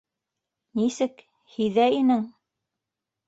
Нисек... һиҙә инең?